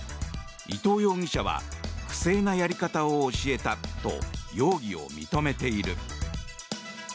伊藤容疑者は不正なやり方を教えたと容疑を認めている。